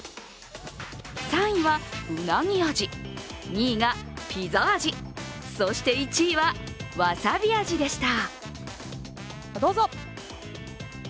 ３位はうなぎ味２位がピザ味そして、１位はわさび味でした。